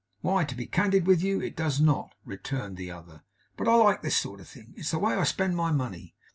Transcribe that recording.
'Why, to be candid with you, it does not,' returned the other. 'But I like this sort of thing. It's the way I spend my money.